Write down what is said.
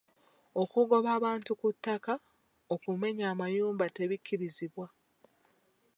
Okugoba abantu ku ttaka, okumenya amayumba tebikkirizibwa.